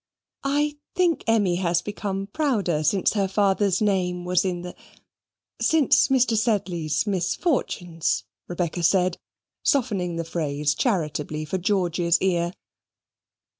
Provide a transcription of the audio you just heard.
"I think Emmy has become prouder since her father's name was in the since Mr. Sedley's MISFORTUNES," Rebecca said, softening the phrase charitably for George's ear.